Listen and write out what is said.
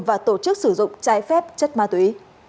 và tổ chức sử dụng trái phép chất ma túy